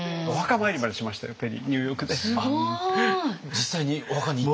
実際にお墓に行って。